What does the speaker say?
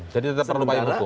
jadi tetap perlu payung hukum